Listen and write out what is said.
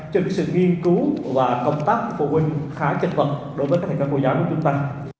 cho nên sự nghiên cứu và công tác của phụ huynh khá chật vật đối với các thầy cô giáo của chúng ta